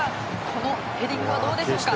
このヘディングはどうでしょうか。